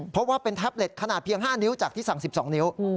เพราะว่าเป็นแท็บเล็ตขนาดเพียง๕นิ้วจากที่สั่ง๑๒นิ้ว